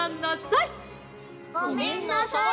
ごめんなさい！